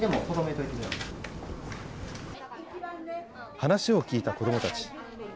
話を聞いた子どもたち。